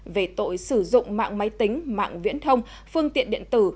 về tội sử dụng mạng máy tính mạng viễn thông phương tiện điện tử